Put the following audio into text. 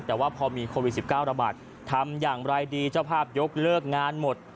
แต่ว่าพอมีโควิด๑๙ระบาดทำอย่างไรดีเจ้าภาพยกเลิกงานหมด